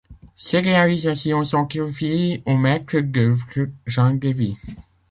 Ces réalisations sont confiées au maître d'œuvre Jean Davy.